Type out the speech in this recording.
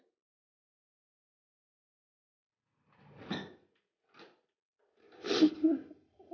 mama mereka juga baik ma